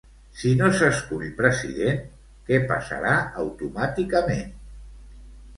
Si no s'escull president, què passarà automàticament?